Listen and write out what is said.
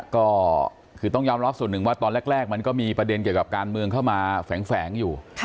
ก็คือต้องยอมรับส่วนหนึ่งว่าตอนแรกมันก็มีประเด็นเกี่ยวกับการเมืองเข้ามาแฝงอยู่